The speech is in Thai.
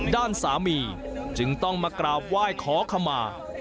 ด้านสามีจึงต้องมากราบไหว้ขอขมา